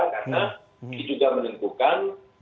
karena ini juga menentukan